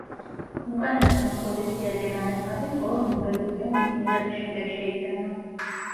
უკანასკნელ პოზიციაზე განაცხადი მხოლო ნობელის პრემიის მიღების შემდეგ შეიტანა.